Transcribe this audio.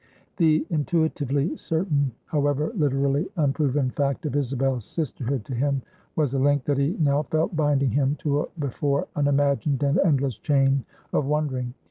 The intuitively certain, however literally unproven fact of Isabel's sisterhood to him, was a link that he now felt binding him to a before unimagined and endless chain of wondering.